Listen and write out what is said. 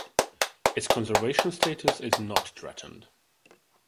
Its conservation status is "not threatened".